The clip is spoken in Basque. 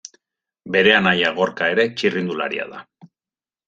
Bere anaia Gorka ere txirrindularia da.